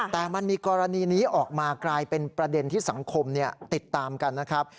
แต่มันมีกรณีนี้ออกมากลายเป็นประเด็นที่สังคมติดตามกันนะครับ